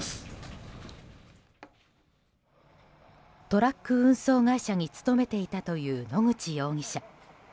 トラック運送会社に勤めていたという野口容疑者。